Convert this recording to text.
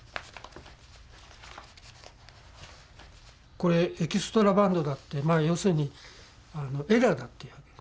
これエキストラバンドだってまあ要するにエラーだっていうわけです。